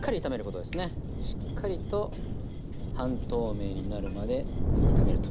しっかりと半透明になるまで炒めると。